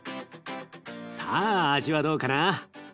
さあ味はどうかな？